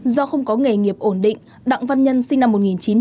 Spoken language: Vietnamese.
do không có nghề nghiệp ổn định đặng văn nhân sinh năm một nghìn chín trăm tám mươi chín